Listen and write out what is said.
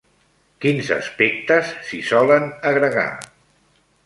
Quins aspectes s'hi solen agregar?